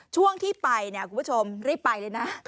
ช่วงที่ไปเนี่ยคุณผู้ชมรีบไปเลยนะ